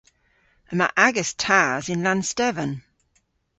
Yma agas tas yn Lannstevan.